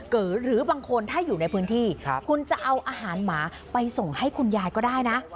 หรือบางคนถ้าอยู่ในพื้นที่คุณจะเอาอาหารหมาไปส่งให้คุณยายก็ได้นะ